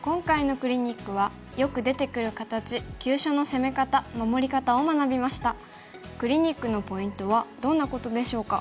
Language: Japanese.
クリニックのポイントはどんなことでしょうか。